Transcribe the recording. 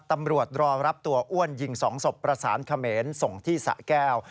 ตำรวจรอรับตัวอ้วนยิง๒ศพประสานเขมรส่งที่สะแก้ว